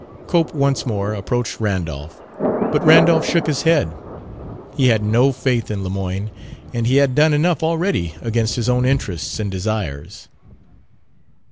Cope once more approached Randolph, but Randolph shook his head. He had no faith in Lemoyne, and he had done enough already against his own interests and desires.